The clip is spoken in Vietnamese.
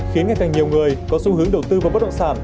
khiến ngày càng nhiều người có xu hướng đầu tư vào bất động sản